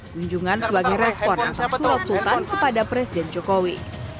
kunjungan sebagai respon atas surat sultan kepada presiden jokowi